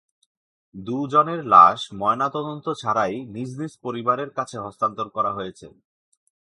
দুজনের লাশ ময়নাতদন্ত ছাড়াই নিজ নিজ পরিবারের কাছে হস্তান্তর করা হয়েছে।